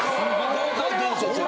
豪快伝説や。